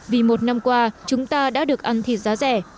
vì một năm qua chúng ta đã được ăn thịt giảm